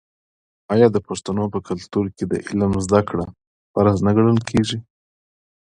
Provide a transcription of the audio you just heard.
آیا د پښتنو په کلتور کې د علم زده کړه فرض نه ګڼل کیږي؟